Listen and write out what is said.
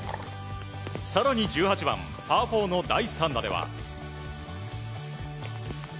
更に１８番パー４の第３打では。